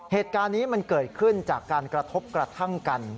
เหตุการณ์นี้มันเกิดขึ้นจากการกระทบกระทั่งกัน